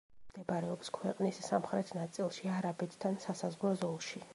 მდებარეობს ქვეყნის სამხრეთ ნაწილში, არაბეთთან სასაზღვრო ზოლში.